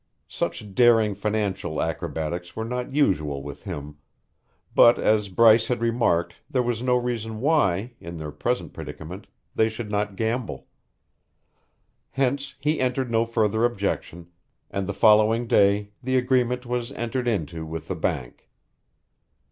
Such daring financial acrobatics were not usual with him, but as Bryce had remarked there was no reason why, in their present predicament, they should not gamble. Hence he entered no further objection, and the following day the agreement was entered into with the bank.